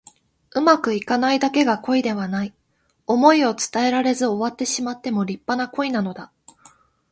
うまくいかないだけが恋ではない。想いを伝えられず終わってしまっても立派な恋なのだ。